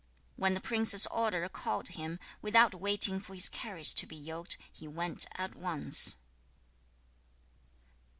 4. When the prince's order called him, without waiting for his carriage to be yoked, he went at once.